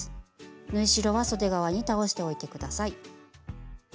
縫い代はそで側に倒しておいて下さい。